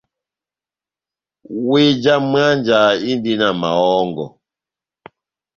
Wéh já mwánja indi na mahɔ́ngɔ.